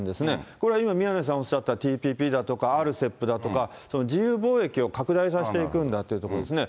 これは今、宮根さんおっしゃったＴＰＰだとか、ＲＣＥＰだとか、自由貿易を拡大させていくんだというところですね。